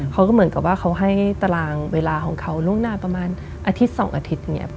เขาก็เหมือนกับว่าเขาให้ตารางเวลาของเขาล่วงหน้าประมาณอาทิตย์๒อาทิตย์อย่างนี้